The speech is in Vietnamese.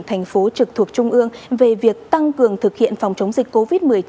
thành phố trực thuộc trung ương về việc tăng cường thực hiện phòng chống dịch covid một mươi chín